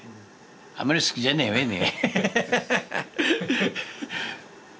あんまり好きじゃないわいね。